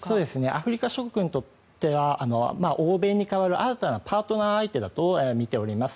アフリカ諸国にとっては欧米に代わる新たなパートナー相手だと見ております。